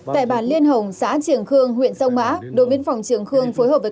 tại bán liên hồng xã trường khương huyện sông mã đồn biên phòng trường khương phối hợp với